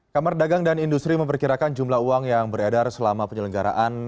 kamar dagang dan industri memperkirakan jumlah uang yang beredar selama penyelenggaraan